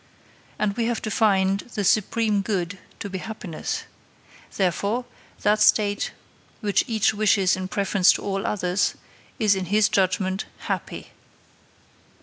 And we have defined the supreme good to be happiness. Therefore, that state which each wishes in preference to all others is in his judgment happy.